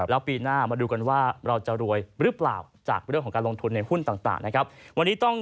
แล้วปีหน้ามาดูกันว่าเราจะรวยหรือเปล่าจากเรื่องของการลงทุนในหุ้นต่างนะครับวันนี้ต้อง